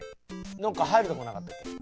どっか入るとこなかったっけ？